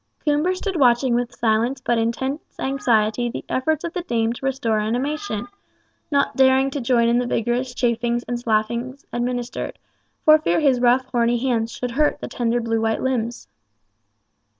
Coomber stood watching with silent but intense anxiety the efforts of the dame to restore animation, not daring to join in the vigorous chafings and slappings administered, for fear his rough horny hands should hurt the tender blue white limbs.